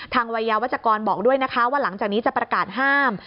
วัยยาวัชกรบอกด้วยนะคะว่าหลังจากนี้จะประกาศห้าม